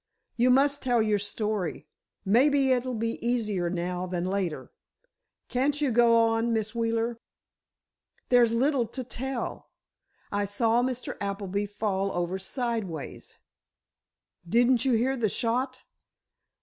"You must tell your story—maybe it'd be easier now than later. Can't you go on, Miss Wheeler?" "There's little to tell. I saw Mr. Appleby fall over sideways——" "Didn't you hear the shot?"